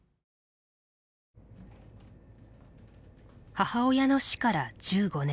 母親の死から１５年。